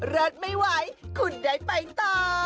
เลิศไม่ไหวคุณได้ไปต่อ